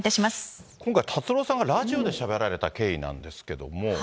今回、達郎さんがラジオでしゃべられた経緯なんですけれども。